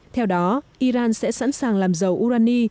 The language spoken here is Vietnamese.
theo đó iran sẽ sẵn sàng làm giàu urani